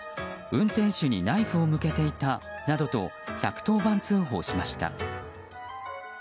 運転手にナイフを向けていたなどと１１０番通報しました。